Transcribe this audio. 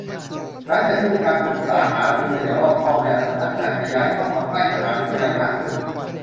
หลังจากที่มีการปรึกษาหารือกันอย่างรอบคอบแล้ว สำนักงานจะย้ายเข้ามาใกล้มหาวิทยาลัยมากขึ้น